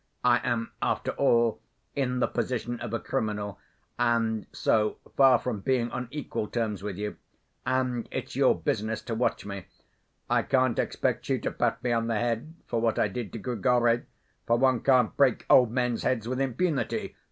I am, after all, in the position of a criminal, and so, far from being on equal terms with you. And it's your business to watch me. I can't expect you to pat me on the head for what I did to Grigory, for one can't break old men's heads with impunity.